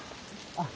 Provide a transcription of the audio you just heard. ・あっ